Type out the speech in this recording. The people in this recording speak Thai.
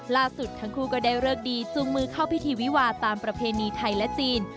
ล่าสุดทั้งคู่ก็ได้เลิกดีจูงมือเข้าพิธีวิวาตามประเพณีไทยและจีน